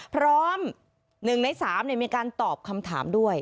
พร้อมหนึ่งในสามเนี่ยมีการตอบคำถามด้วย